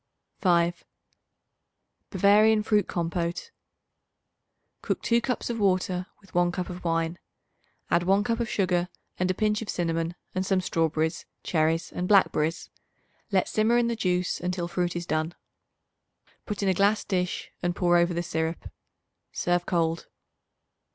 5. Bavarian Fruit Compote. Cook 2 cups of water with 1 cup of wine. Add 1 cup of sugar and a pinch of cinnamon and some strawberries, cherries and blackberries. Let simmer in the juice until fruit is done. Put in a glass dish and pour over the syrup. Serve cold.